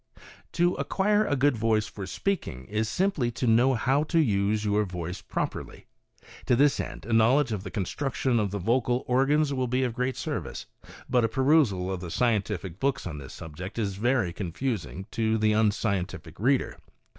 To acquire a good voice for speaking is simply to know how to use your voice properly. To this end a knowledge of the construction of the vocal organs will be of great service, but a perusal of the scientific books on this subject is very confusing to the unscientific reader.